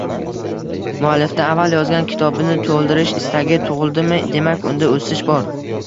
Muallifda avval yozgan kitobini to‘ldirish istagi tug‘ildimi, demak, unda o‘sish bor.